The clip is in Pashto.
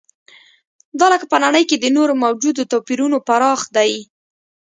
دا لکه په نړۍ کې د نورو موجودو توپیرونو پراخ دی.